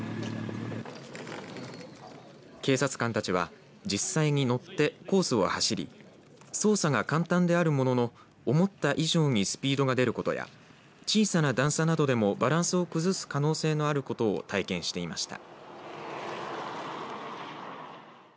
警察官たちは実際に乗ってコースを走り操作が簡単であるものの思った以上にスピードが出ることや小さな段差などでもバランスを崩す可能性のあることを体験していました。